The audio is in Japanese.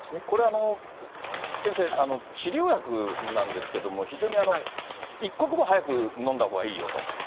これ、先生、治療薬なんですけれども、非常に一刻も早く飲んだほうがいいよと。